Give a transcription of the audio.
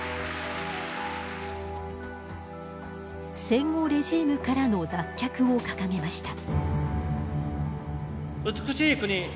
戦後レジームからの脱却を掲げました。